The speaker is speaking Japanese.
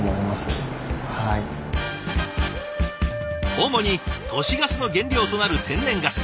主に都市ガスの原料となる天然ガス。